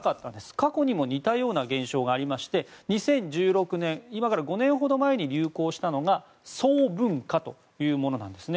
過去にも似たような現象がありまして２０１６年、今から５年ほど前に流行したのが喪文化というものです。